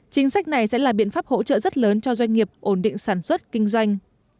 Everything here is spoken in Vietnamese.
chính sách này sẽ là biện pháp hỗ trợ rất lớn cho doanh nghiệp ổn định sản xuất kinh doanh